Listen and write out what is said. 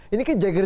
ini kan jagir jagir